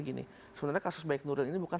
gini sebenarnya kasus baik nuril ini bukan